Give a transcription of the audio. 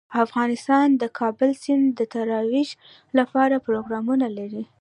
افغانستان د د کابل سیند د ترویج لپاره پروګرامونه لري.